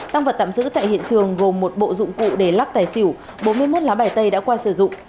tăng vật tạm giữ tại hiện trường gồm một bộ dụng cụ để lắc tài xỉu bốn mươi một lá bài tay đã qua sử dụng